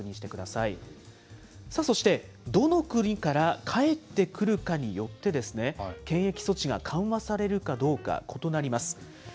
さあそして、どの国から帰ってくるかによって、検疫措置が緩和されるかどうか、異なります。